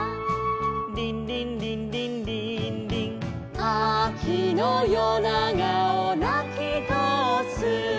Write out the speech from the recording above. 「リンリンリンリンリインリン」「秋のよながをなきとおす」